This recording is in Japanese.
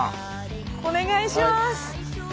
お願いします。